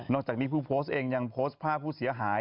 จากนี้ผู้โพสต์เองยังโพสต์ภาพผู้เสียหาย